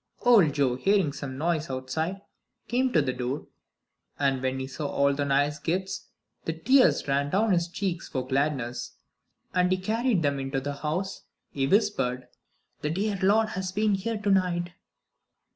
Old Joe, hearing some noise outside, came to the door, and when he saw all the nice gifts the tears ran down his cheeks for gladness; and as he carried them into the house, he whispered: "The dear Lord has been here to night."